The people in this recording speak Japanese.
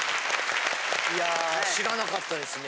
いや知らなかったですね。